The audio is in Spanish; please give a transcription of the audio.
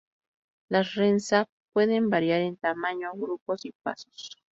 Las Rensa pueden variar en tamaño, grupos y pasos.